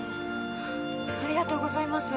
ありがとうございます。